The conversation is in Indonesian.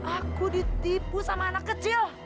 aku ditipu sama anak kecil